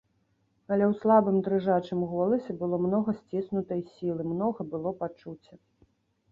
Але ў слабым дрыжачым голасе было многа сціснутай сілы, многа было пачуцця.